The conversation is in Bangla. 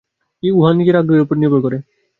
উহা নিজের আগ্রহের উপর নির্ভর করে।